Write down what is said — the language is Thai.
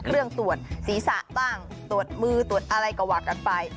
เครื่องตรวจศีรษะบ้างตรวจมือตรวจอะไรก็ว่ากันไป